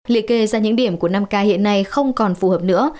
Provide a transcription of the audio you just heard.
liệt kê ra những điểm của năm ca hiện nay không còn phù hợp nữa